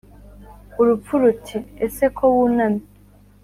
” urupfu ruti:” ese ko wunamye